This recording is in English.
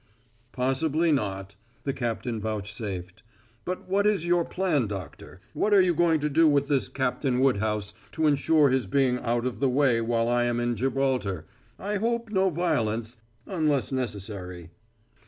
"Possibly not," the captain vouchsafed. "But what is your plan, Doctor? What are you going to do with this Captain Woodhouse to insure his being out of the way while I am in Gibraltar. I hope no violence unless necessary."